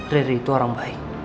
riri itu orang baik